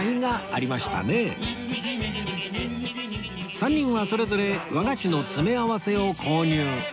３人はそれぞれ和菓子の詰め合わせを購入